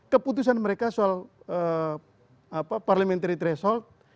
keputusan mereka soal parliamentary threshold